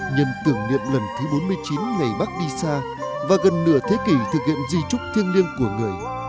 nhân tưởng niệm lần thứ bốn mươi chín ngày bác đi xa và gần nửa thế kỷ thực hiện di trúc thiêng liêng của người